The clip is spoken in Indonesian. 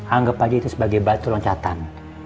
anggap aja itu sebagai batu loncatan